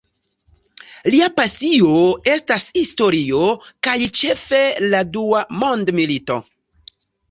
Lia pasio estas historio, kaj ĉefe la Dua mondmilito.